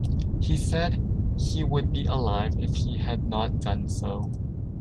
He said he would be alive if he had not done so.